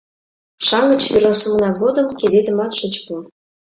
Шаҥге чеверласымына годым кидетымат шыч пу.